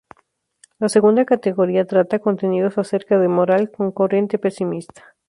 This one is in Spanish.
La segunda categoría, trata contenidos acerca de moral con corriente pesimista.